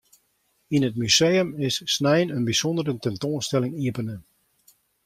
Yn it museum is snein in bysûndere tentoanstelling iepene.